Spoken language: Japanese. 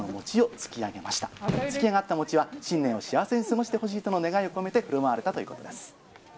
つき上がった餅は、新年を幸せに過ごしてほしいとの願いを込めて、ふるまわれたということです。